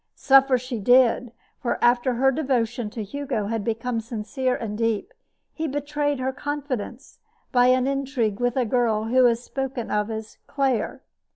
Suffer she did; for after her devotion to Hugo had become sincere and deep, he betrayed her confidence by an intrigue with a girl who is spoken of as "Claire."